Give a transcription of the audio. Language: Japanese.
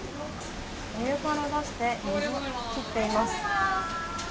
お湯から出して水を切っています。